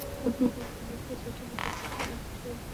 আপনি খুব খারাপ কিছুর জন্য প্রস্তুতি নিতে শুরু করেন।